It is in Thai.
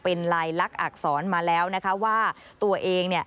เป็นลายลักษณ์อักษรมาแล้วว่าตัวเอง